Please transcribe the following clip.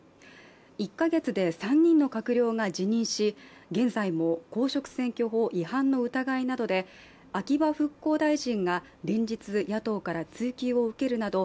１か月で３人の閣僚が辞任し現在も公職選挙法違反の疑いなどで秋葉復興大臣が連日野党から追及を受けるなど